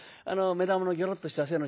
目玉のギョロッとした背のちっちゃい。